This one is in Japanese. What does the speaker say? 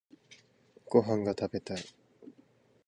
ご飯が食べたい